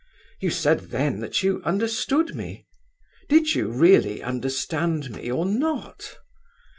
You said then that you understood me; did you really understand me or not?